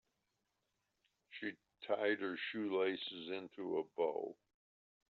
She tied her shoelaces into a bow.